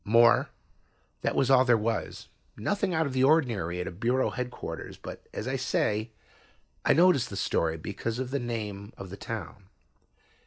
(more) That was all there was. Nothing out of the ordinary at a bureau headquarters, but, as I say, I noticed the story because of the name of the town.